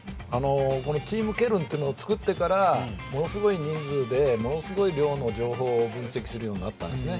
チームケルンを作ってからものすごい人数でものすごい量の情報を分析するようになったんですね。